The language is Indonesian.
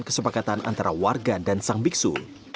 kesepakatan antara warga dan sang biksu